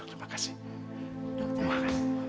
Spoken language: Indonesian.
terima kasih dokter